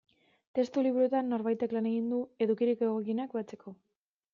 Testu liburuetan norbaitek lan egin du edukirik egokienak batzeko.